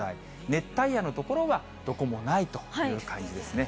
熱帯夜の所はどこもないという感じですね。